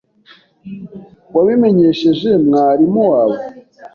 Wabimenyesheje mwarimu wawe?